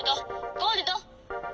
ゴールド！